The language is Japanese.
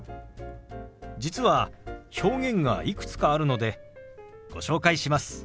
実は表現がいくつかあるのでご紹介します。